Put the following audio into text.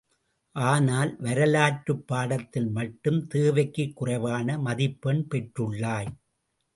ஆனால் வரலாற்றுப் பாடத்தில் மட்டும் தேவைக்குக் குறைவான மதிப்பெண் பெற்றுள்ளாய்.